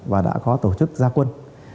và đã có tổ chức gia quân